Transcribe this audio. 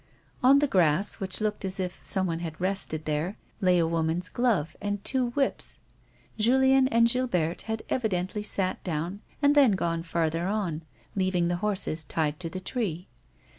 On the grass, which looked as if someone had rested there, lay a woman's glove and two whips. Julien and Gilberte had evidently sat down and then gone farther on, leaving the horses tied to the tree.